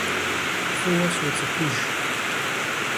F'ıue sots'ıxujj.